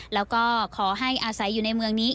แล้วก็ขอให้อาศัยอยู่ในเมืองนี้